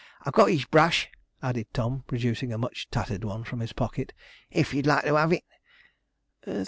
I've got his brush,' added Tom, producing a much tattered one from his pocket, 'if you'd like to have it?'